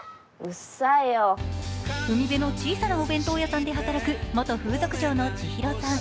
海辺の小さなお弁当屋さんで働く元風俗嬢のちひろさん。